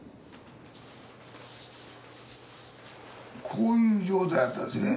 こういう状態だったんですね